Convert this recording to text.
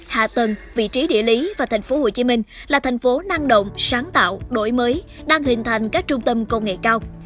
hạ tầng vị trí địa lý và tp hcm là thành phố năng động sáng tạo đổi mới đang hình thành các trung tâm công nghệ cao